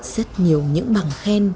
rất nhiều những bằng khen